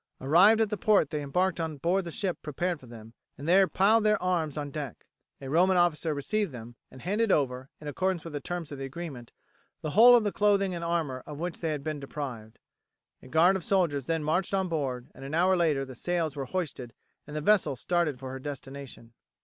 Arrived at the port they embarked on board the ship prepared for them, and there piled their arms on deck. A Roman officer received them, and handed over, in accordance with the terms of the agreement, the whole of the clothing and armour of which they had been deprived. A guard of soldiers then marched on board, and an hour later the sails were hoisted and the vessel started for her destination.